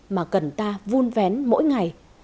mà cần ta vun vén mỗi ngày